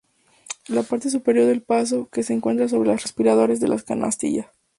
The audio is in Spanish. La parte superior del paso, que se encuentra sobre los respiraderos, es la canastilla.